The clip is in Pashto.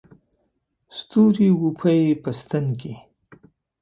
ستوري وپېي په ستن کې